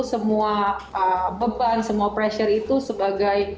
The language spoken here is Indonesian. semua beban semua pressure itu sebagai